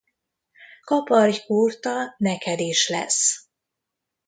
Kaparj kurta, neked is lesz.